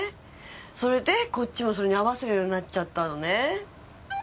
それでこっちもそれに合わせるようになっちゃったのね。